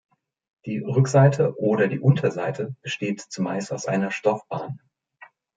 Die Rückseite oder die Unterseite besteht zumeist aus einer Stoffbahn.